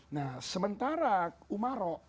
nah sementara umaro